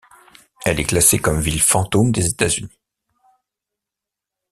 Elle est classée comme ville fantôme des États-Unis.